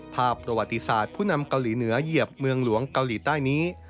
ภาพประวัติศาสตร์ผู้นำเกาหลีเหนือเหยียบเมืองหลวงเกาหลีใต้นี้